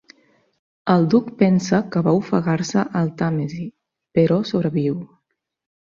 El Duc pensa que va ofegar-se al Tàmesi, però sobreviu.